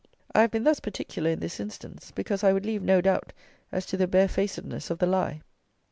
I have been thus particular in this instance, because I would leave no doubt as to the barefacedness of the lie.